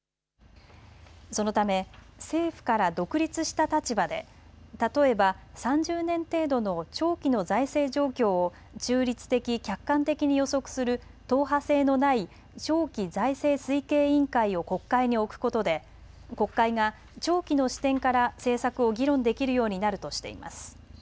そのため政府から独立した立場で例えば３０年程度の長期の財政状況を中立的・客観的に予測する党派性のない長期財政推計委員会を国会に置くことで国会が長期の視点から政策を議論できるようになるとしています。